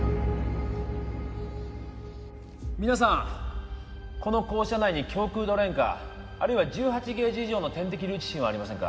皆さんこの校舎内に胸腔ドレーンかあるいは１８ゲージ以上の点滴留置針はありませんか？